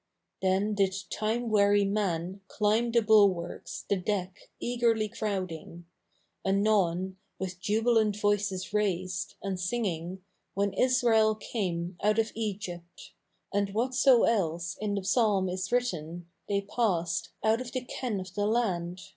Then did time weary 7nan Climb the bulwarks, the deck Eagerly crowding. Anon With jubilant voices raised. And singing, " When Israel came Out of Egypt, ^"^ and what so else In the psahn is written, they passed Out of the ken of the land.